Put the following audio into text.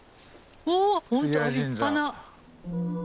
おっ本当立派な。